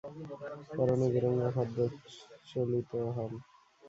পরনে বেরঙা খদ্দর চলিত হল।